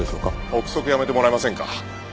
臆測やめてもらえませんか。